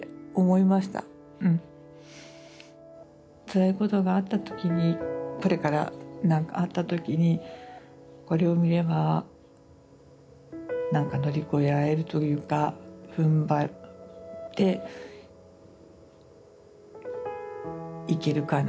つらいことがあった時にこれからあった時にこれを見れば何か乗り越えられるというかふんばっていけるかなっていう大きな糧になりましたね。